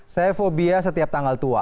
saya fobia setiap tanggal tua